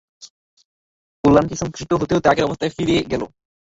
ওলানটি সংকুচিত হতে হতে আগের অবস্থায় ফিরে গেল।